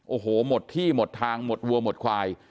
โอ้โหหมดที่หมดทางหมดวัวหมดควาย